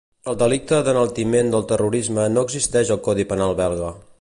El delicte d’enaltiment del terrorisme no existeix al codi penal belga.